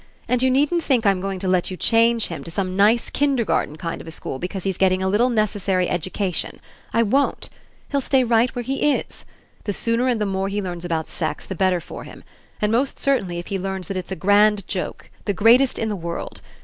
And you needn't think I'm going to let you change him to some nice kindergarten kind of a school because he's get ting a little necessary education. I won't! He'll stay right where he is. The sooner and the more he learns about sex, the better for him. And most certainly if he learns that it's a grand joke, the greatest in the world.